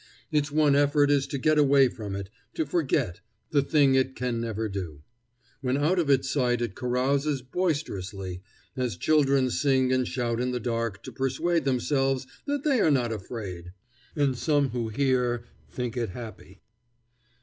Its one effort is to get away from it, to forget the thing it can never do. When out of its sight it carouses boisterously, as children sing and shout in the dark to persuade themselves that they are not afraid. And some who hear think it happy.